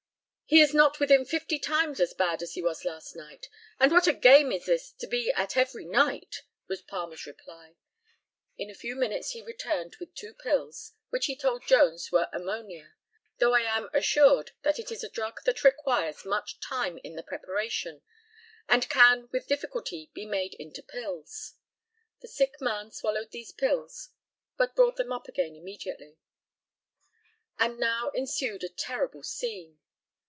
"He is not within fifty times as bad as he was last night; and what a game is this to be at every night!" was Palmer's reply. In a few minutes he returned with two pills, which he told Jones were ammonia, though I am assured that it is a drug that requires much time in the preparation, and can with difficulty be made into pills. The sick man swallowed these pills, but brought them up again immediately. And now ensued a terrible scene.